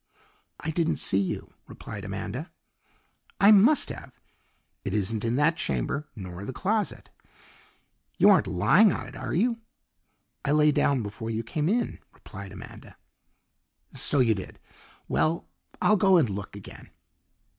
"I didn't see you," replied Amanda. "I must have. It isn't in that chamber, nor the closet. You aren't lying on it, are you?" "I lay down before you came in," replied Amanda. "So you did. Well, I'll go and look again."